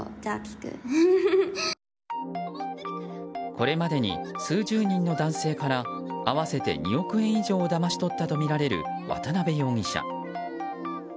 これまでに数十人の男性から合わせて２億円以上をだまし取ったとみられる渡辺容疑者。